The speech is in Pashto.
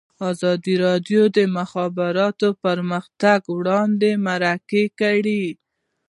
ازادي راډیو د د مخابراتو پرمختګ اړوند مرکې کړي.